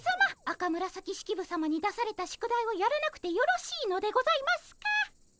赤紫式部さまに出された宿題をやらなくてよろしいのでございますか？